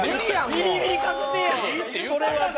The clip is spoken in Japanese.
ビリビリ確定や。